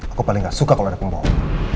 aku paling gak suka kalau ada pembawa